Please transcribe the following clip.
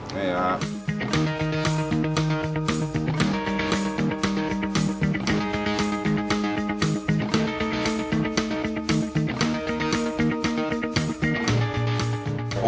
นี่นะฮะ